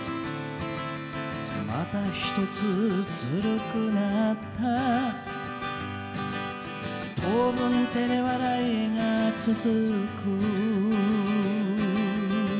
「またひとつずるくなった当分てれ笑いがつづく」